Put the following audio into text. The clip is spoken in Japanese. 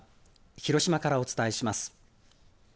広島からお伝えします。